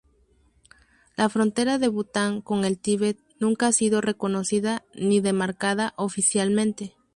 La frontera de Bután con el Tíbet nunca ha sido reconocida ni demarcada oficialmente.